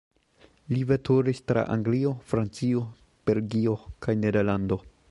Li veturis tra Anglio, Francio, Belgio kaj Nederlando.